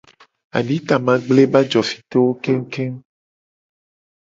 Aditama gble ebe ajofitowo kengukengu.